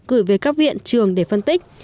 cử về các viện trường để phân tích